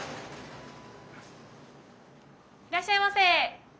いらっしゃいませ。